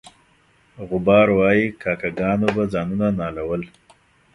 غبار وایي کاکه ګانو به ځانونه نالول.